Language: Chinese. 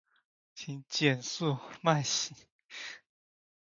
请减速慢行